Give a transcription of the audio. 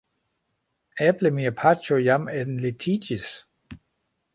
Eble mia paĉjo jam enlitiĝis."